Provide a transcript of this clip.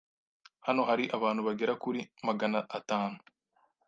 Hano hari abantu bagera kuri magana atanu.